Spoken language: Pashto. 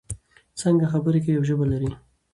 څانګه خبرې کوي او ژبه لري.